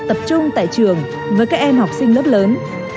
tập trung tại trường với các em học sinh lớp lớn